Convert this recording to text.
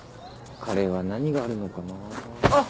カレーは何があるのかな。